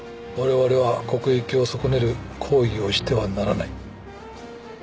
我々は国益を損ねる行為をしてはならない。